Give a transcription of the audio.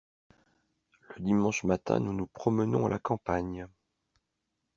Le dimanche matin nous nous promenons à la campagne.